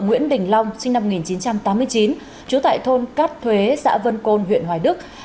nguyễn đình long sinh năm một nghìn chín trăm tám mươi chín trú tại thôn cát thuế xã vân côn huyện hoài đức